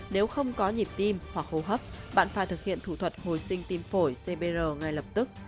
nếu không có nhịp tim hoặc hô hấp bạn phải thực hiện thủ thuật hồi sinh tim phổi cbr ngay lập tức